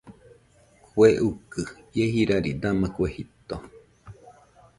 Kue ukɨ ie jirari dama kue jito.